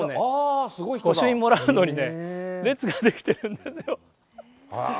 御朱印もらうのに列が出来てるんですよ。